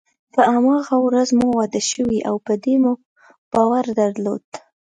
په هماغه ورځ مو واده شوی او په دې مو باور درلود.